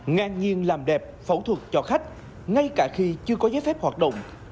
ngang nhiên làm đẹp phẫu thuật cho khách ngay cả khi chưa có giấy phép hoạt động